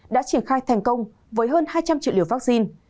đã triển khai thành công với hơn hai trăm linh triệu liều vaccine